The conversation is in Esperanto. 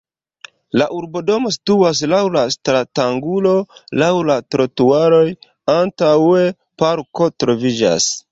La urbodomo situas laŭ stratangulo laŭ la trotuaroj, antaŭe parko troviĝas.